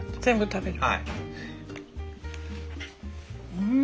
うん！